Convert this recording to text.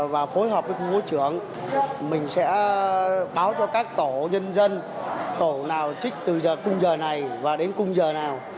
và phối hợp với khu phố trưởng mình sẽ báo cho các tổ nhân dân tổ nào chích từ khung giờ này và đến khung giờ nào